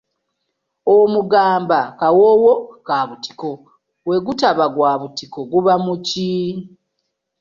Omugamba kawoowo ka butiko bwe gutaba gwa butiko guba muki?